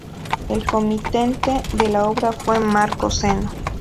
El comitente de la obra fue Marco Zeno.